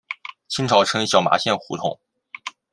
清朝称小麻线胡同。